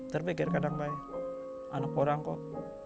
terpikir kadang baik anak orang kok